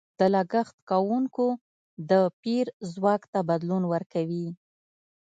د لګښت کوونکو د پېر ځواک ته بدلون ورکوي.